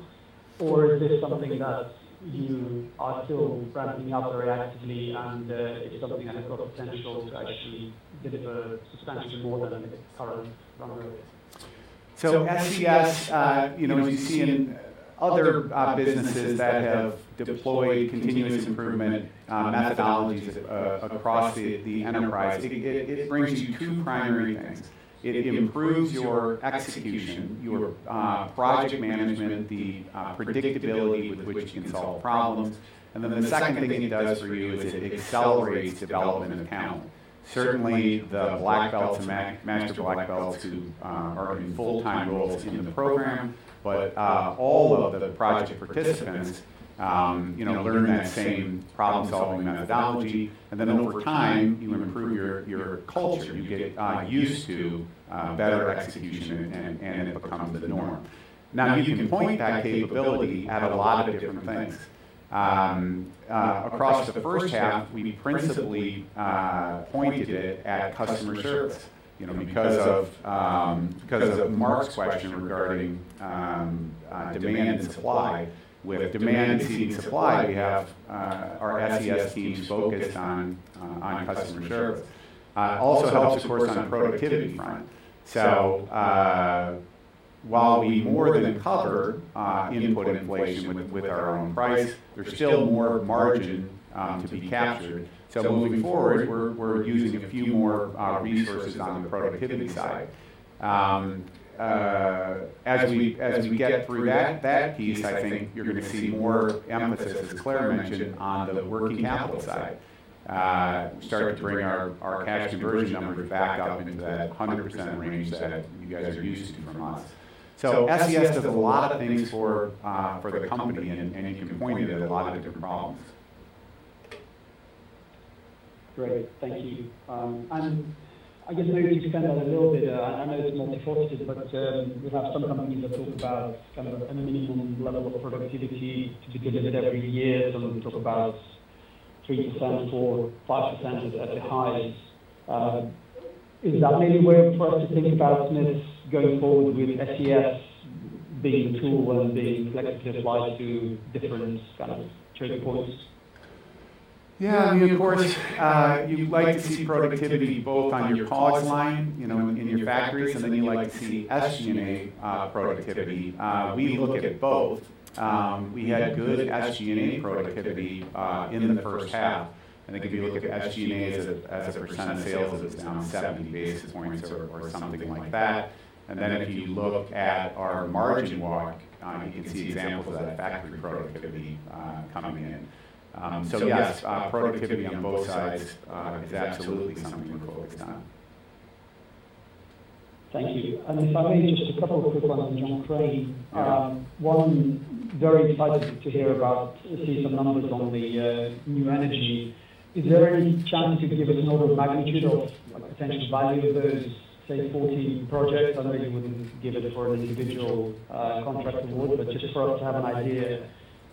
Is this something that you are still ramping up reactively and it's something that has got potential to actually deliver substantially more than its current run rate? SES, you know, as you see in other businesses that have deployed continuous improvement methodologies across the enterprise, it brings you two primary things. It improves your execution, your project management, the predictability with which you can solve problems. The second thing it does for you is it accelerates development of talent. Certainly the Black Belts and Master Black Belts who are in full-time roles in the program. All of the project participants, you know, learn that same problem-solving methodology. Over time, you improve your culture. You get used to better execution and it becomes the norm. You can point that capability at a lot of different things. Across the first half, we principally pointed it at customer service. You know, because of because of Mark's question regarding demand and supply. With demand exceeding supply, we have our SES teams focused on customer service. Also helps of course on productivity front. While we more than cover input inflation with our own price, there's still more margin to be captured. Moving forward, we're using a few more resources on the productivity side. As we get through that piece, I think you're gonna see more emphasis, as Clare mentioned, on the working capital side. Start to bring our cash conversion numbers back up into that 100% range that you guys are used to from us. SES does a lot of things for the company and you can point it at a lot of different problems. Great. Thank you. I guess maybe to expand that a little bit. I know it's multifaceted, but, you have some companies that talk about kind of a minimum level of productivity to be delivered every year. Some of them talk about 3%, 4%, 5% at the highest. Is that maybe a way for us to think about Smiths going forward with SES being the tool and being flexibly applied to different kind of trigger points? I mean, of course, you like to see productivity both on your cost line, you know, in your factories, you like to see SG&A productivity. We look at both. We had good SG&A productivity in the first half. I think if you look at SG&A as a percent of sales, it was down 70 basis points or something like that. If you look at our margin walk, you can see examples of that factory productivity coming in. Yes, productivity on both sides is absolutely something we're focused on. Thank you. If I may, just a couple of quick ones on John Crane. All right. One, very excited to hear about, see some numbers on the new energy. Is there any chance you could give us an order of magnitude of potential value of those, say, 14 projects? I know you wouldn't give it for an individual, contract award, but just for us to have an idea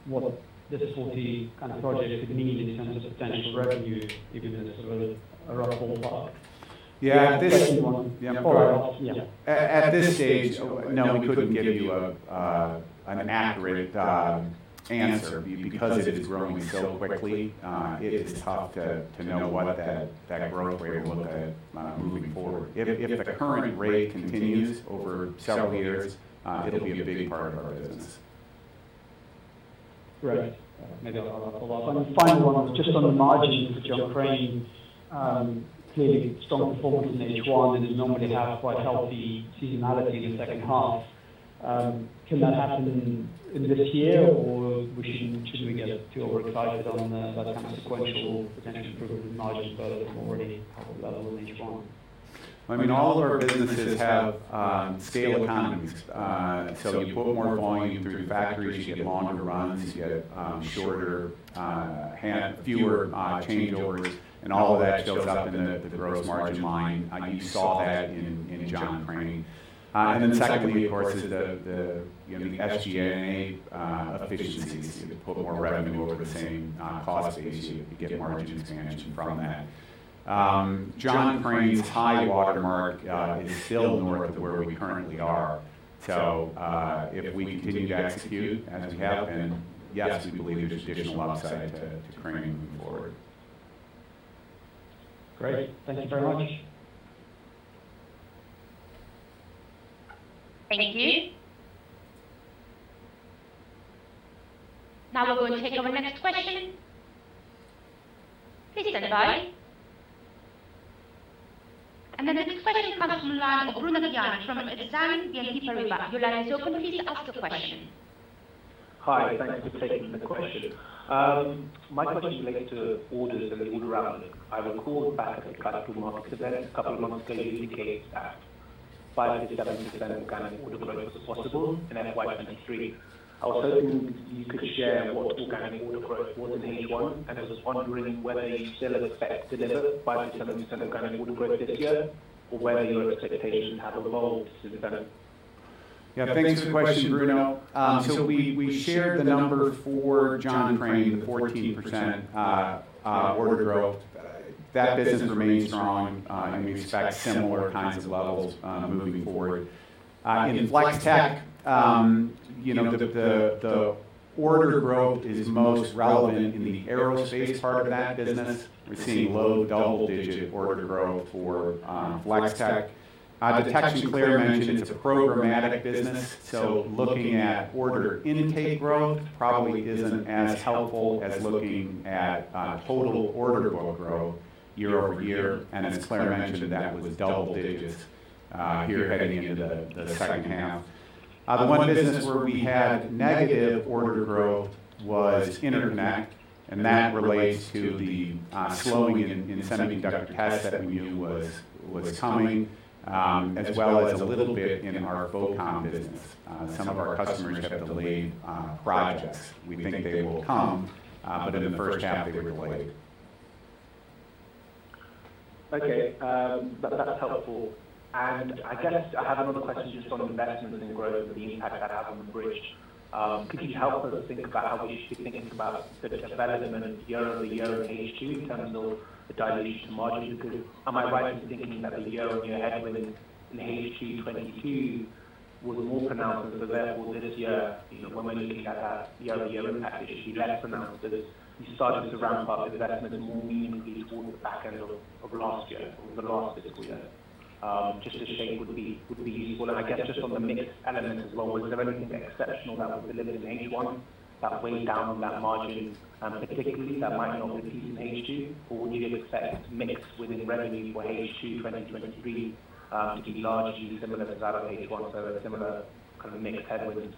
what those 14 kind of projects could mean in terms of potential revenue, even in a sort of a rough ballpark. Yeah. Second one. Or, yeah. At this stage, no, we couldn't give you an accurate answer. It is growing so quickly, it is tough to know what that growth rate will look like moving forward. If the current rate continues over several years, it'll be a big part of our business. Great. Maybe I'll follow up on the final one. Just on the margins for John Crane, clearly strong performance in H1, and you normally have quite healthy seasonality in the second half. Can that happen in this year, or should we get feel we're excited on that kind of sequential potential improvement in margins both from already healthy levels in H1? I mean, all of our businesses have scale economies. You put more volume through factories, you get longer runs, you get fewer changeovers. All of that shows up in the gross margin line. You saw that in John Crane. Secondly, of course, is the, you know, the SG&A efficiencies. You put more revenue over the same cost base, you get margin expansion from that. John Crane's high watermark is still north of where we currently are. If we continue to execute as we have been, yes, we believe there's additional upside to Crane moving forward. Great. Thank you very much. Thank you. Now we're going to take our next question. Please stand by. The next question comes from the line of Bruno Gjani from Exane BNP Paribas. Your line is open. Please ask your question. Hi. Thanks for taking the question. My question relates to orders and the order outlook. I recall back at the Capital Markets Event a couple of months ago, you indicated that 5%-7% organic order growth was possible in FY 2023. I was hoping you could share what organic order growth was in H1, and I was wondering whether you still expect to deliver 5%-7% organic order growth this year, or whether your expectations have evolved since then. Yeah. Thanks for the question, Bruno. We shared the number for John Crane, the 14% order growth. That business remains strong. We expect similar kinds of levels moving forward. In Flex-Tek, you know, the order growth is most relevant in the aerospace part of that business. We're seeing low double-digit order growth for Flex-Tek. Detection, Clare mentioned, it's a programmatic business, so looking at order intake growth probably isn't as helpful as looking at total order book growth year-over-year. As Clare mentioned, that was double digits here heading into the second half. The one business where we had negative order growth was Interconnect, and that relates to the slowing in semiconductor tests that we knew was coming, as well as a little bit in our telecom business. Some of our customers have delayed projects. We think they will come, but in the first half, they were delayed. Okay. That's helpful. I guess I have another question just on investments and growth and the impact that has on the bridge. Could you help us think about how we should be thinking about sort of development year-over-year in H2 in terms of the dilution to margin? Am I right in thinking that the year-on-year headwinds in H2 2022 was more pronounced, and so therefore this year, you know, when we're looking at that year-over-year impact issue, less pronounced as you started to ramp up investments more meaningfully towards the back end of last year or the last fiscal year? Just a shade would be useful. I guess just on the mix element as well, was there anything exceptional that was delivered in H1 that weighed down that margin, particularly that might not be seen in H2? Would you expect mix within revenue for H2 2023 to be largely similar to that of H1, so a similar kind of mix headwind?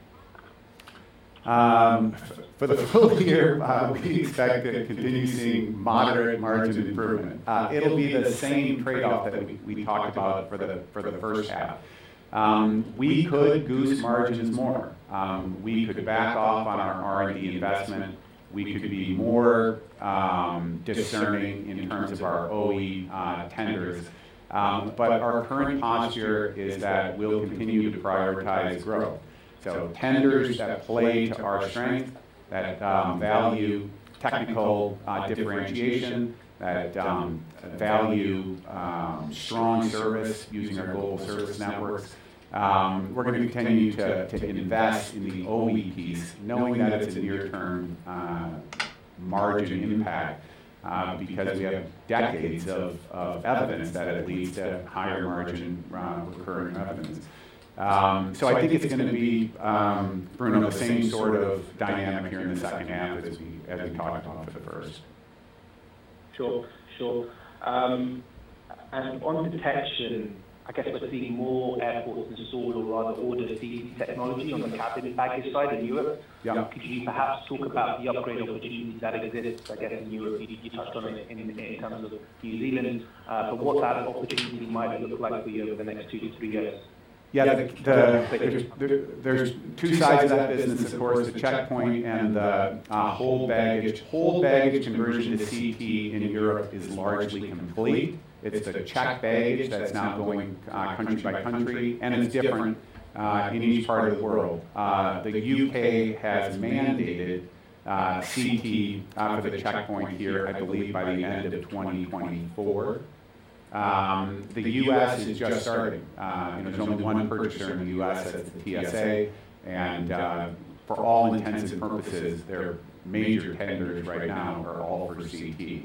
For the full year, we expect to continue seeing moderate margin improvement. It'll be the same trade-off that we talked about for the first half. We could goose margins more. We could back off on our R&D investment. We could be more discerning in terms of our OE tenders. Our current posture is that we'll continue to prioritize growth. Tenders that play to our strength, that value technical differentiation, that value strong service using our global service networks, we're gonna continue to invest in the OE piece, knowing that it's a near-term margin impact, because we have decades of evidence that it leads to higher margin recurring revenues. I think it's gonna be, you know, the same sort of dynamic here in the second half as we talked about for the first. Sure, sure. On Detection, I guess we're seeing more airports install or rather order CT technology on the cabin baggage side in Europe. Yeah. Could you perhaps talk about the upgrade opportunities that exist, I guess, in Europe? You touched on it in terms of New Zealand. What that opportunity might look like for you over the next two to three years? Yeah. There's two sides of that business. Of course, the checkpoint and the whole baggage. Whole baggage conversion to CT in Europe is largely complete. It's the checked baggage that's now going country by country, and it's different in each part of the world. The UK has mandated CT out of the checkpoint here, I believe, by the end of 2024. The U.S. is just starting. You know, there's only one purchaser in the U.S., that's the TSA. For all intents and purposes, their major tenders right now are all for CT.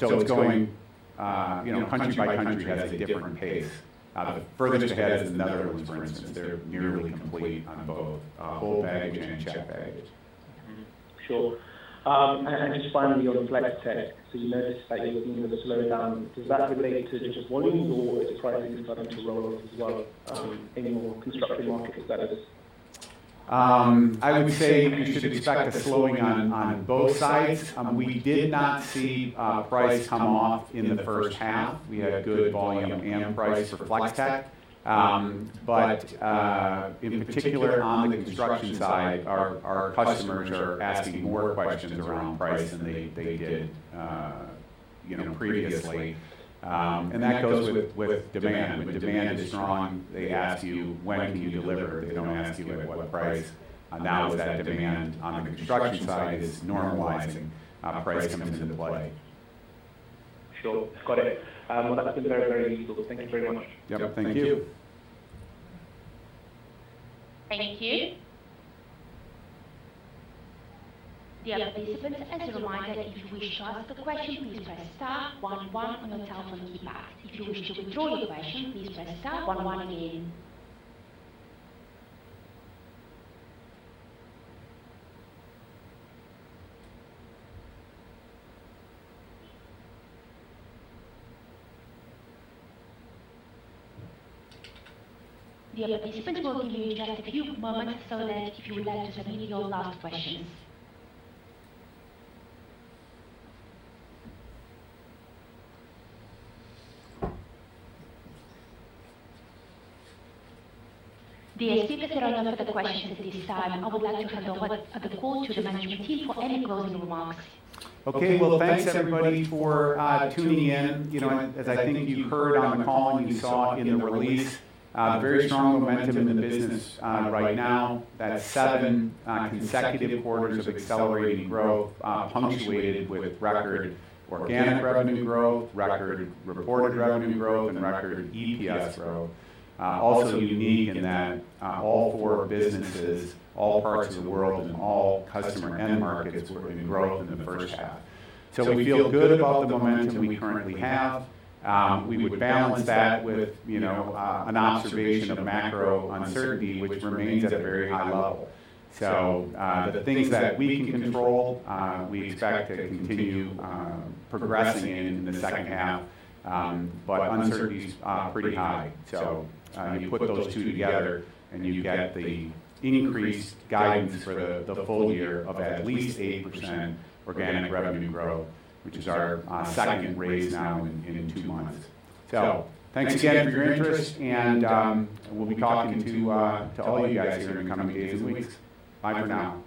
It's going, you know, country by country at a different pace. The furthest ahead is Netherlands, for instance. They're nearly complete on both whole baggage and checked baggage. Sure. Just finally on Flex-Tek, so you noted that you're seeing a slowdown. Does that relate to just volumes or is pricing starting to roll off as well, in your construction market exposure? I would say you should expect a slowing on both sides. We did not see price come off in the first half. We had good volume and price for Flex-Tek. In particular on the construction side, our customers are asking more questions around price than they did, you know, previously. That goes with demand. When demand is strong, they ask you, "When can you deliver?" They don't ask you at what price. As that demand on the construction side is normalizing, price comes into play. Sure. Got it. Well, that's been very, very useful. Thank you very much. Yep. Thank you. Thank you. The other participants, as a reminder, if you wish to ask a question, please press star one one on your telephone keypad. If you wish to withdraw your question, please press star one one again. The other participants, we'll give you just a few moments so that if you would like to submit your last questions. There seems there are no further questions at this time. I would like to hand over the call to the management team for any closing remarks. Okay. Well, thanks everybody for tuning in. You know, as I think you heard on the call and you saw in the release, very strong momentum in the business right now. That's seven consecutive quarters of accelerating growth, punctuated with record organic revenue growth, record reported revenue growth, and record EPS growth. Also unique in that all four businesses, all parts of the world and all customer end markets were in growth in the first half. We feel good about the momentum we currently have. We would balance that with, you know, an observation of macro uncertainty, which remains at a very high level. The things that we can control, we expect to continue progressing in the second half. Uncertainty's pretty high. You put those two together and you get the increased guidance for the full year of at least 80% organic revenue growth, which is our second raise now in 2 months. Thanks again for your interest and we'll be talking to all you guys here in the coming days and weeks. Bye for now.